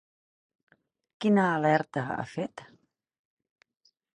Quina alerta ha fet?